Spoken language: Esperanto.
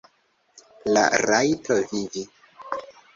La rajto vivi.